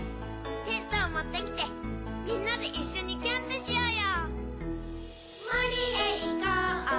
テントを持ってきてみんなで一緒にキャンプしようよ。